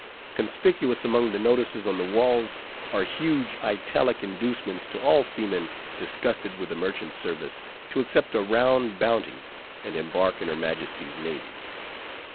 Conspicuous among the notices on the walls, are huge Italic inducements to all seamen disgusted with the merchant service, to accept a round bounty, and embark in her Majesty's navy.